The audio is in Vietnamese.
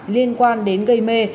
liên quan đến gây mê